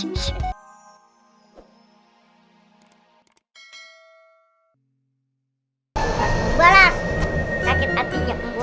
udah langsung ada ketika penyihir